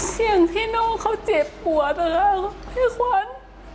เสียงที่น้องเขาเจ็บปวดนะพี่ขวัญ